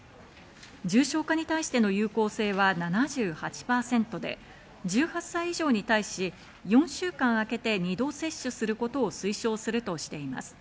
重症化に対しての有効性は７８％で、１８歳以上に対し、４週間あけて２度接種することを推奨するとしています。